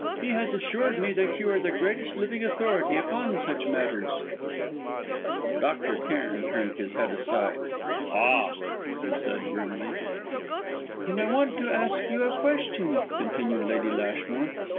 "He has assured me that you are the greatest living authority upon such matters." Dr. Cairn turned his head aside. "Ah!" he said grimly. "And I want to ask you a question," continued Lady Lashmore.